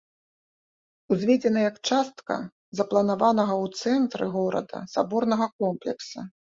Узведзена як частка запланаванага ў цэнтры горада саборнага комплекса.